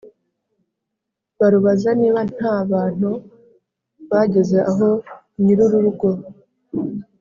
barubaza niba ntabantu bageze aho nyirururugo